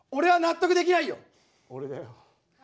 俺だよ。